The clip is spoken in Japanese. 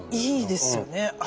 いいですよね。